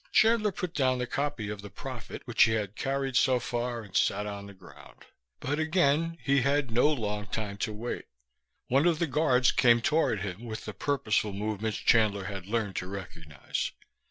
Chandler put down the copy of The Prophet which he had carried so far and sat on the ground, but again he had no long time to wait. One of the guards came toward him, with the purposeful movements Chandler had learned to recognize.